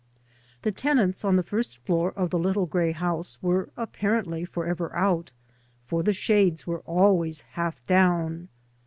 The tenants on the first floor of the Httle grey house were apparently for ever out, for the shades were always half down.